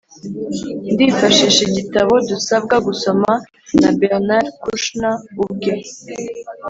ndifashisha igitabo dusabwa gusoma na bernard kouchner ubwe